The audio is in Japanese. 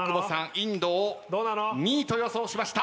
インドを２位と予想しました。